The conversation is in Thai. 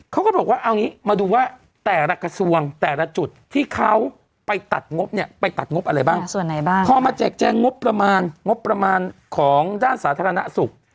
เขาก็บอกว่าเอางี้มาดูว่าแต่ละกระทรวงแต่ละจุดที่เขาไปตัดงบเนี่ยไปตัดงบอะไรบ้างส่วนไหนบ้างพอมาแจกแจงงบประมาณงบประมาณของด้านสาธารณสุข